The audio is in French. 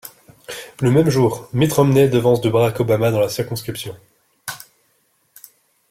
Le même jour, Mitt Romney devance de Barack Obama dans la circonscription.